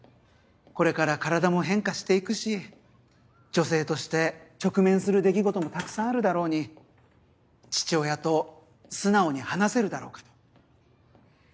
これから体も変化していくし女性として直面する出来事もたくさんあるだろうに父親と素直に話せるだろうかと。